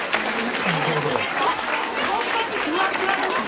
うわ、本当にふわふわふですね。